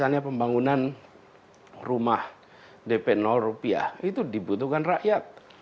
misalnya pembangunan rumah dp rupiah itu dibutuhkan rakyat